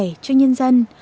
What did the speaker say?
hát cho nhân dân